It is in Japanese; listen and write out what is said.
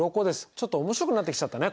ちょっと面白くなってきちゃったね